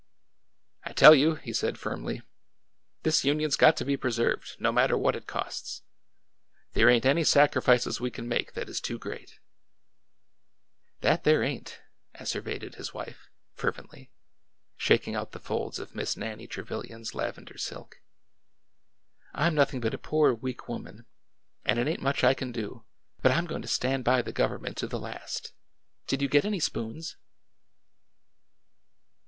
I tell you," he said firmly, this Union's got to be preserved, no matter what it costs ! There ain't any sac rifices we can make that is too great !" That there ain't 1 " asseverated his wife, fervently, shaking out the folds of Miss Nannie Trevilian's lavender silk. " I 'm nothing but a poor weak woman, and it ain't much I can do, but I 'm going to stand by the govern ment to the last 1 Did you git any spoons